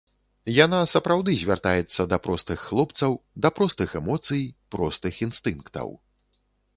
Яна сапраўды звяртаецца да простых хлопцаў, да простых эмоцый, простых інстынктаў.